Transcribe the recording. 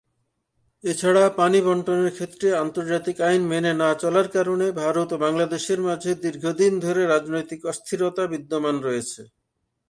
এছাড়া পানি বণ্টনের ক্ষেত্রে আন্তর্জাতিক আইন মেনে না চলার কারণে ভারত ও বাংলাদেশের মাঝে দীর্ঘদিন ধরে রাজনৈতিক অস্থিরতা বিদ্যমান রয়েছে।